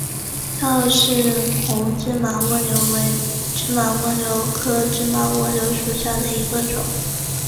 赵氏红芝麻蜗牛为芝麻蜗牛科芝麻蜗牛属下的一个种。